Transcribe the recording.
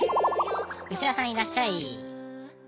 「ウシ澤さんいらっしゃい！」。